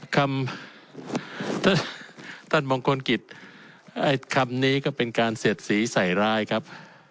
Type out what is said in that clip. คำท่านมงคลกิจคำนี้ก็เป็นการเสียดสีใส่ร้ายครับ